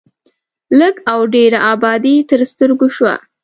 لږ او ډېره ابادي تر سترګو شوه.